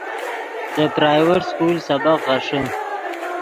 دے پرائیویٹ سکول سبق غیݰے